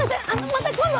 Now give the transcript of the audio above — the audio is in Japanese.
また今度！